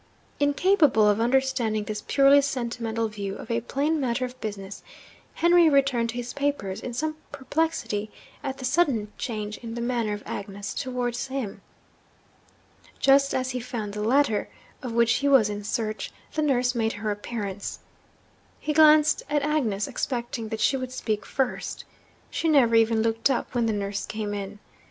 Incapable of understanding this purely sentimental view of a plain matter of business, Henry returned to his papers, in some perplexity at the sudden change in the manner of Agnes towards him. Just as he found the letter of which he was in search, the nurse made her appearance. He glanced at Agnes, expecting that she would speak first. She never even looked up when the nurse came in.